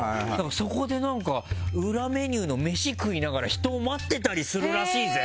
そこで何か裏メニューの飯食いながら人を待ってたりするらしいぜ。